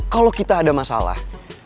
kalo kita ada masalah